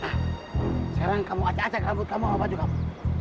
nah sekarang kamu acak acak rambut kamu sama baju kamu